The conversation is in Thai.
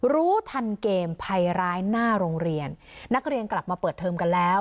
รู้ทันเกมภัยร้ายหน้าโรงเรียนนักเรียนกลับมาเปิดเทอมกันแล้ว